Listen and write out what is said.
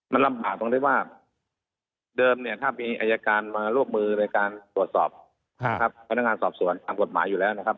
มันลำบากตรงนี้ว่า